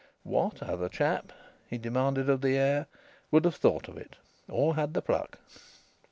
"What other chap," he demanded of the air, "would have thought of it? Or had the pluck?..."